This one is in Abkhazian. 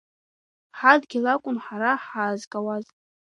Ҳадгьыл акәын ҳара ҳаазгауаз…